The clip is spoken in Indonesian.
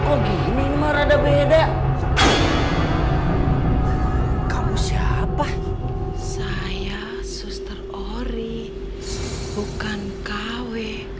oh gini mah rada beda kamu siapa saya suster ori bukan kw